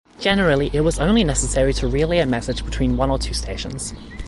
Generally, it was only necessary to relay a message between one or two stations.